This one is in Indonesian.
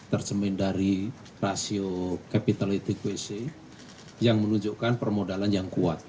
terjemahan dari rasio capital equity qc yang menunjukkan permodalan yang kuat